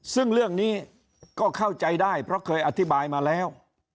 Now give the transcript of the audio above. ซึ่งเรื่องนี้ก็เข้าใจได้เพราะเคยอธิบายมาแล้ว